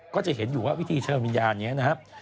ก็จะเห็นอยู่ว่าวิธีเชิญวิญญาณนี้นะครับ